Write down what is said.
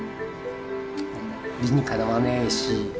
理にかなわないし。